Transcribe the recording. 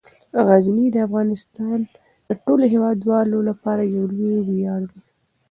غزني د افغانستان د ټولو هیوادوالو لپاره یو لوی ویاړ دی.